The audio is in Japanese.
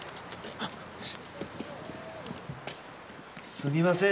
すみません